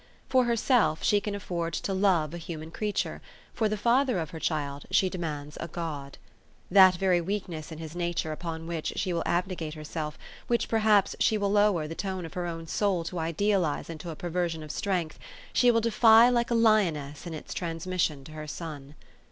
For her self, she can afford to love a human creature ; for the father of her child she demands a God. That very weakness in his nature upon which she will abnegate herself, which perhaps she will lower the tone of her own soul to idealize into a perversion of strength, she will defy like a lioness in its transmis sion to her son.